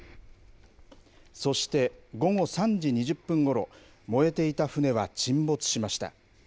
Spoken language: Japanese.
そして午後３時２０分ごろ、燃えていた船は沈没しました。